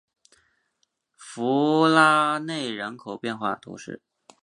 弗拉内人口变化图示